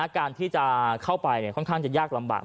การที่จะเข้าไปค่อนข้างจะยากลำบาก